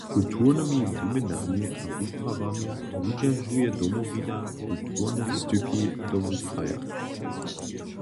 Z kulturnymi wuměnami a wuprawami wudźeržuje Domowina kulturne styki do wukraja.